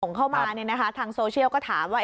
ส่งเข้ามาเนี่ยนะคะทางโซเชียลก็ถามว่า